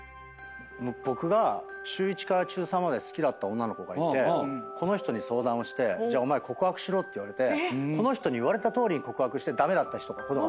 僕が中１から中３まで好きだった女の子がいてこの人に相談をして「じゃお前告白しろ」って言われてこの人に言われたとおり告白して駄目だったことがあるのね。